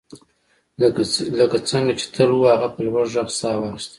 لکه څنګه چې تل وو هغه په لوړ غږ ساه واخیسته